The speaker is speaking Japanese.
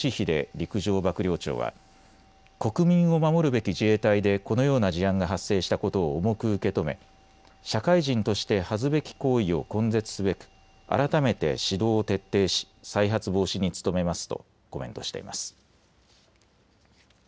陸上幕僚長は国民を守るべき自衛隊でこのような事案が発生したことを重く受け止め社会人として恥ずべき行為を根絶すべく改めて指導を徹底し再発防止に努めますとコメントしています。